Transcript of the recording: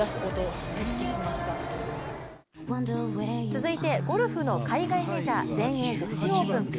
続いて、ゴルフの海外メジャー全英女子オープン。